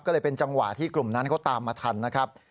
ก็เลยเป็นจังหวะที่กลุ่มนั้นเขาตามมาทันนะครับ